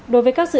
đối với các dự án